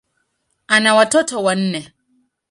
Ana watoto wanne.